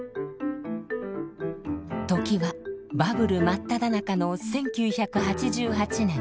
時はバブル真っただ中の１９８８年。